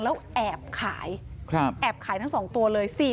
แล้วแอบขายแอบขายทั้ง๒ตัวเลย